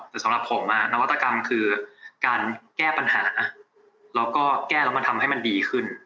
แต่สำหรับผมนวัตกรรมคือการแก้ปัญหาแล้วก็แก้แล้วมันทำให้มันดีขึ้น